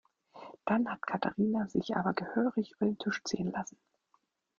Dann hat Katharina sich aber gehörig über den Tisch ziehen lassen.